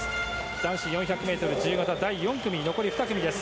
男子４００ｍ自由形第４組残り２組です。